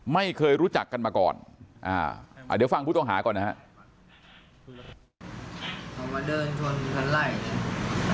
ไม่เคยรู้จักกันมาก่อนเดี๋ยวฟังผู้ต้องหาก่อนนะฮะ